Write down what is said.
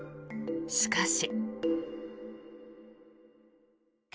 しかし。